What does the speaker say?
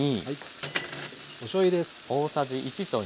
おしょうゆです。